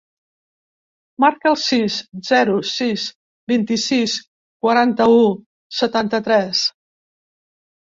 Marca el sis, zero, sis, vint-i-sis, quaranta-u, setanta-tres.